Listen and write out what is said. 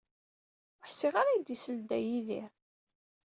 Ur ḥsiɣ ara ad iyi-d-isel Dda Yidir